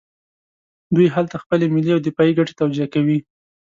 دوی هلته خپلې ملي او دفاعي ګټې توجیه کوي.